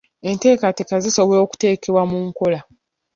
Enteekateeka zisobola okuteekebwa mu nkola.